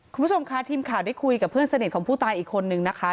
คุณผู้ชมค่ะทีมข่าวได้คุยกับเพื่อนสนิทของผู้ตายอีกคนนึงนะคะ